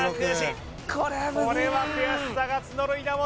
これは悔しさが募る稲本